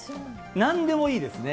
なんでもいいですね。